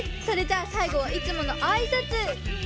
それじゃあさいごはいつものあいさつ！